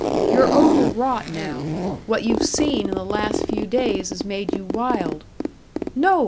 You're over wrought now, what you've seen in the last few days has made you wild " "No!"